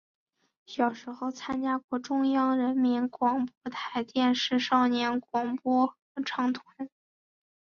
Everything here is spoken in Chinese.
小时候参加过中央人民广播电台少年广播合唱团。